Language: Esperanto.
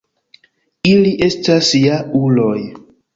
Ili estas ja-uloj